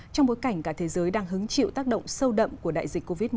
trong bối cảnh cả thế giới đang hứng chịu tác động sâu đậm của đại dịch covid một mươi chín